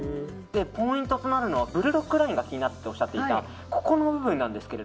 ポイントとなるのはブルドッグラインが気になるとおっしゃっていたこの部分。